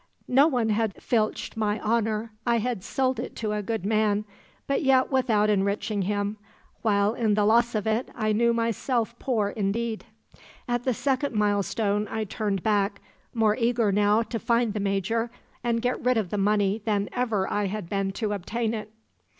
"No one had filched my honour I had sold it to a good man, but yet without enriching him, while in the loss of it I knew myself poor indeed. At the second milestone I turned back, more eager now to find the Major and get rid of the money than ever I had been to obtain it.